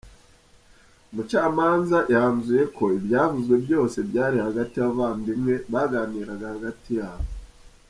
Umucamanza yanzuye ko ibyavuzwe byose byari hagati y'abavandimwe baganiraga hagati yabo.